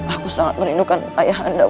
aku sangat merindukan ayah anda